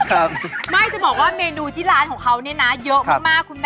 ลาวา